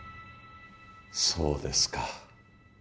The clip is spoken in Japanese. そうですか。